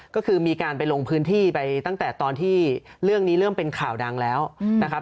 ก็คือมีการไปลงพื้นที่ไปตั้งแต่ตอนที่เรื่องนี้เริ่มเป็นข่าวดังแล้วนะครับ